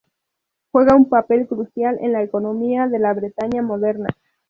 Juega un papel crucial en la economía de la Bretaña moderna.